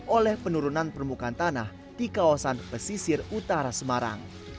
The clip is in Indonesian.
oleh penurunan permukaan tanah di kawasan pesisir utara semarang